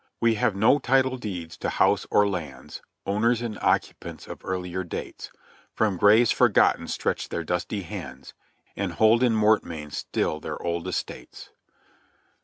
"We have no title deeds to house or lands. Owners and occupants of earlier dates From graves forgotten stretch their dusty hands And hold in mortmain still their old estates."